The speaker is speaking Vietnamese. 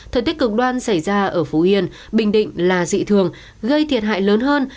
thời tiết cực đoan xảy ra ở phú yên bình định là dị thường gây thiệt hại lớn hơn